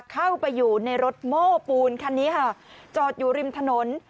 เข้าไปอยู่ในรถโม้ปูนคันนี้ค่ะจอดอยู่ริมถนน